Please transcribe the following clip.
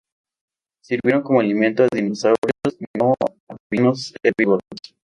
Sirvieron como alimento a dinosaurios no avianos herbívoros.